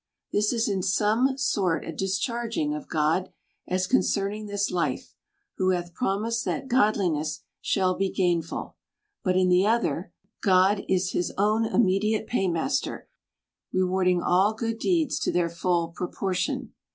This is in some sort a discharging of God as concerning this life, who hath promised that godliness shall be gainful : but in the other, God is his own immediate pay master, re warding all good deeds to their full proportion.